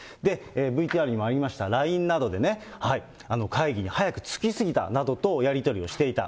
ＶＴＲにもありました、ＬＩＮＥなどでね、会議に早く着き過ぎたなどとやり取りをしていた。